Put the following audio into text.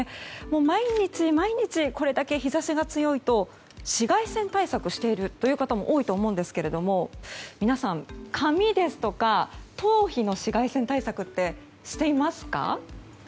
毎日毎日これだけ日差しが強いと紫外線対策しているという方も多いと思うんですけれども皆さん、髪ですとか頭皮の紫外線対策ってしていますか？